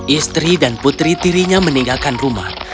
istri dan putri tirinya meninggalkan rumah